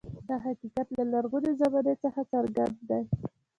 دا حقیقت له لرغونې زمانې څخه څرګند دی.